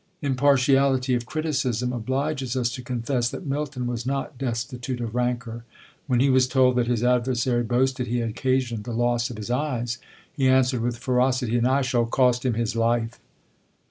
Impartiality of criticism obliges us to confess that Milton was not destitute of rancour. When he was told that his adversary boasted he had occasioned the loss of his eyes, he answered, with ferocity "_And I shall cost him his life!